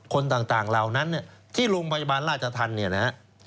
คนต่างเหล่านั้นที่โรงพยาบาลราชธรรมเนี่ยนะฮะ